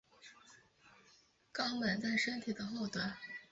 肛门在身体的后端。